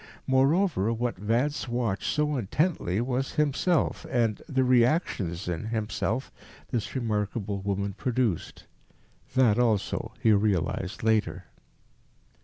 Moreover, what Vance watched so intently was himself, and the reactions in himself this remarkable woman produced. That also he realised later.